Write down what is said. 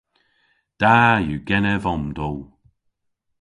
Da yw genev omdowl.